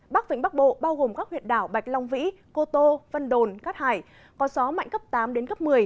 bắc vĩnh bắc bộ bao gồm các huyện đảo bạch long vĩ cô tô vân đồn cát hải có gió mạnh cấp tám đến cấp một mươi